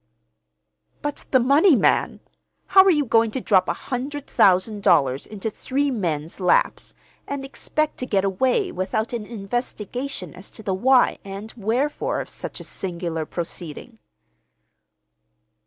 "But the money, man! How are you going to drop a hundred thousand dollars into three men's laps, and expect to get away without an investigation as to the why and wherefore of such a singular proceeding?"